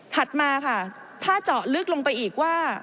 มาค่ะถ้าเจาะลึกลงไปอีกว่า